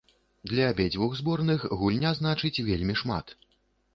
Для абедзвюх зборных гульня значыць вельмі шмат.